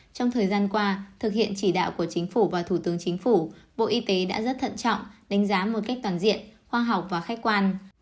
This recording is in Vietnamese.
trong thời gian qua thực hiện chỉ đạo của chính phủ và thủ tướng chính phủ bộ y tế đã rất thận trọng đánh giá một cách toàn diện khoa học và khách quan